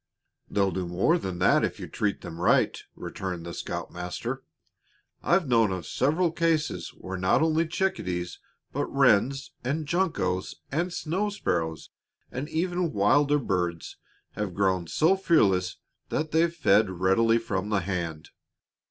"They'll do more than that if you treat them right," returned the scoutmaster. "I've known of several cases where not only chickadees, but wrens and juncos and snow sparrows and even wilder birds have grown so fearless that they've fed readily from the hand.